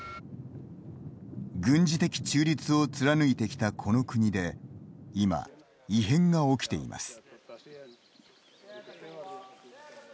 軍事的中立を貫いてきたこの国で今、異変が起きています。